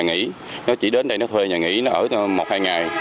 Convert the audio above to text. nghĩ nó chỉ đến đây nó thuê nhà nghỉ nó ở một hai ngày